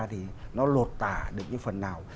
thì nó lột tả được những phần nào